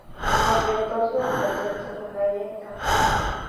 Completó su educación secundaria en Canadá.